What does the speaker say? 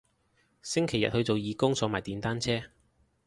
星期日去做義工坐埋電單車